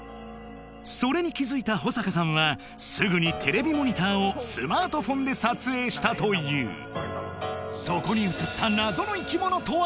それに気づいた保坂さんはすぐにテレビモニターをスマートフォンで撮影したというそこに映った謎の生き物とは？